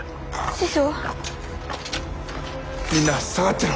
師匠！